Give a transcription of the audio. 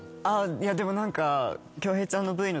いやでも何か。